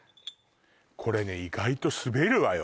これね意外と滑るわよ